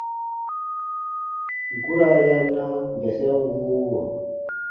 Guraa ya na bɛsɛn wuuwɔ.